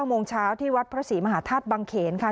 โมงเช้าที่วัดพระศรีมหาธาตุบังเขนค่ะ